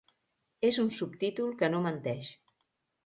És un subtítol que no menteix.